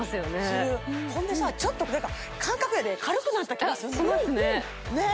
するほんでさちょっと何か感覚やで軽くなった気がするのあっしますねねえ